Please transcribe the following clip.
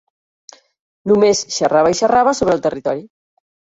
Només xerrava i xerrava sobre el territori.